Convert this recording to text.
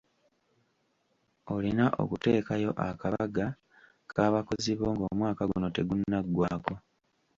Olina okuteekayo akabaga k'abakozi bo ng'omwaka guno tegunnagwako.